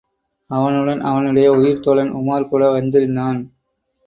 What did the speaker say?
அவனுடன் அவனுடைய உயிர்த் தோழன், உமார் கூட வந்திருந்தான்.